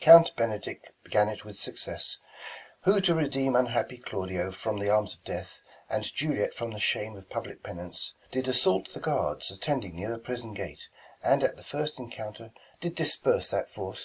Count Benedick began it with success ; Who to redeem unhappy Claudio from The arms of death, and Juliet from the shame Of public penance, did assault the guards Attending near the prison gate; and at The first encounter did disperse that force.